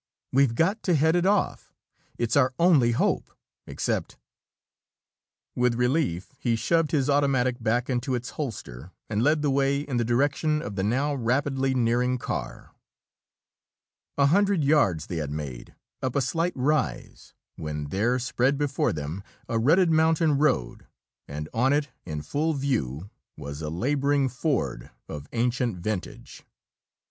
We've got to head it off. It's our only hope, except " With relief, he shoved his automatic back into its holster and led the way in the direction of the now rapidly nearing car. A hundred yards they had made, up a slight rise, when there spread before them a rutted mountain road, and on it, in full view, was a laboring Ford of ancient vintage.